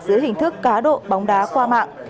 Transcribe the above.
dưới hình thức cá độ bóng đá qua mạng